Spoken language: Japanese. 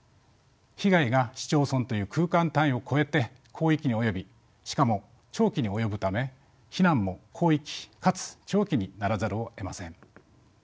被害が市町村という空間単位を超えて広域に及びしかも長期に及ぶため避難も広域かつ長期にならざるをえません。